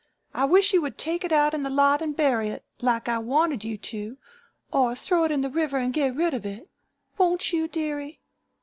I wish you would take it out in the lot and bury it, like I wanted you to, or throw it in the river and get rid of it. Won't you, dearie?"